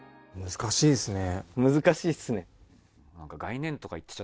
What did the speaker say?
難しいですね。